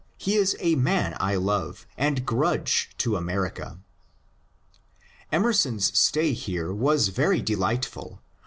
He is a man 1 love, and grudge to America. Emerson's stay here was very delightful.